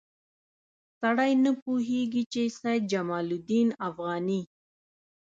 سړی نه پوهېږي چې سید جمال الدین افغاني.